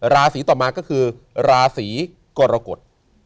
ราศีต่อมาก็คือราศีกรกฎ